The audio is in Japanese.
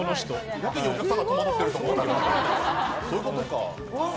やけにお客さんが戸惑ってると思ったらそういうことか。